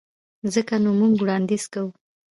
ځکه نو موږ وړانديز کوو.